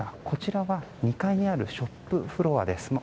こちらは２階にあるショップフロアです。